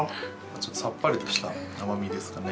さっぱりとした甘みですかね。